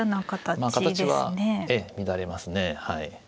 まあ形は乱れますね。